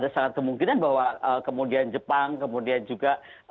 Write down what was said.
ada sangat kemungkinan bahwa kemudian jepang kemudian juga amerika serikat